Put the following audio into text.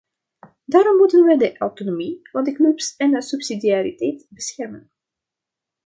Daarom moeten we de autonomie van de clubs en subsidiariteit beschermen.